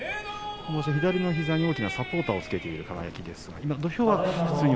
今場所、左の膝にサポーターをつけています。